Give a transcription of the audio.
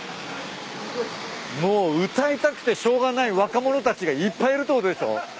もう歌いたくてしょうがない若者たちがいっぱいいるってことでしょ？